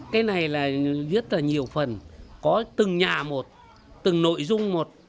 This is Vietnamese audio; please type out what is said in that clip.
cái này là viết là nhiều phần có từng nhà một từng nội dung một